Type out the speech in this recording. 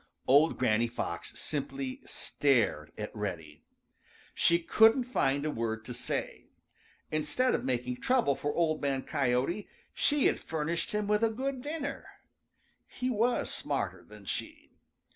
Old Granny Fox simply stared at Reddy. She couldn't find a word to say. Instead of making trouble for Old Man Coyote, she had furnished him with a good dinner. He was smarter than she.